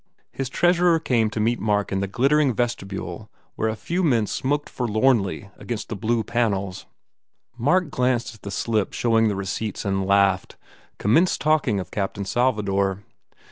His treasurer came to meet Mark in the glitter ing vestibule where a few men smoked forlornly 289 THE FAIR REWARDS against the blue panels. Mark glanced at the slip showing the receipts and laughed, commenced talking of "Captain Salvador."